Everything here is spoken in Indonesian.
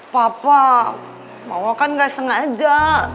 papa mama kan nggak sengaja